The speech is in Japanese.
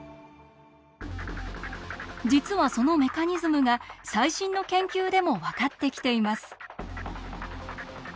実はそのメカニズムが最新の研究でも分かってきています。